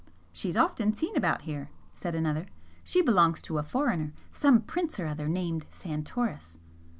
"She's often seen about here," said another "She belongs to a foreigner some prince or other named Santoris."